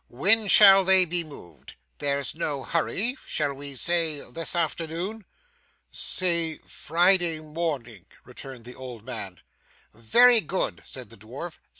When shall they be moved? There's no hurry shall we say this afternoon?' 'Say Friday morning,' returned the old man. 'Very good,' said the dwarf.